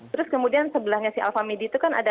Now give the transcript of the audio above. terus kemudian sebelahnya si alphamidi itu kan ada